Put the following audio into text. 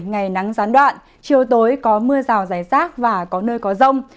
ngày nắng gián đoạn chiều tối có mưa rào giải giác và có nơi có rông